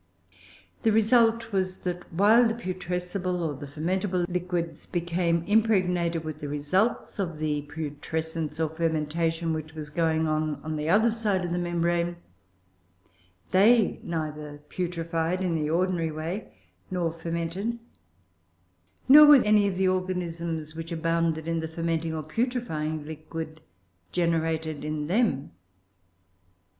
The result was, that while the putrescible or the fermentable liquids became impregnated with the results of the putrescence or fermentation which was going on on the other side of the membrane, they neither putrefied (in the ordinary way) nor fermented; nor were any of the organisms which abounded in the fermenting or putrefying liquid generated in them.